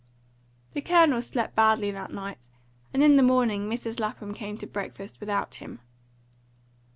The Colonel slept badly that night, and in the morning Mrs. Lapham came to breakfast without him.